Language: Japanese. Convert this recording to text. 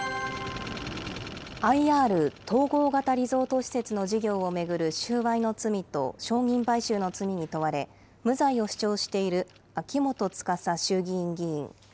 ＩＲ・統合型リゾート施設の事業を巡る収賄の罪と証人買収の罪に問われ、無罪を主張している秋元司衆議院議員。